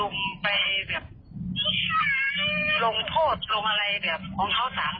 มันใจ